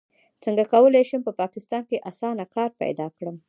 څنګه کولی شم په پاکستان کې اسانه کار پیدا کړم